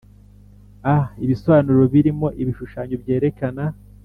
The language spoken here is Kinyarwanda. A ibisobanuro birimo ibishushanyo byerekana